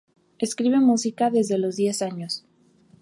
Escribe música desde los diez años.